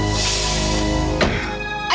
amira kamu mau pulang